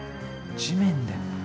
地面で。